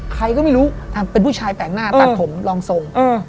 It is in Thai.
ใครก็ไม่รู้ทำเป็นผู้ชายแปลกหน้าตัดผมรองทรง